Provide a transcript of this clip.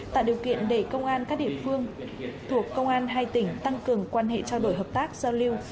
tạo điều kiện để công an các địa phương thuộc công an hai tỉnh tăng cường quan hệ trao đổi hợp tác giao lưu